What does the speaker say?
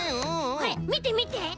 これみてみて！